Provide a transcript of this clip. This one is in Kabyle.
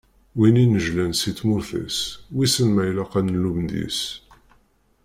Win inejlan si tmurt-is, wissen ma ilaq ad nlum deg-s?